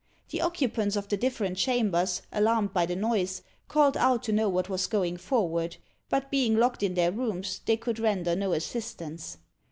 The occupants of the different chambers, alarmed by the noise, called out to know what was going forward; but being locked in their rooms, they could render no assistance.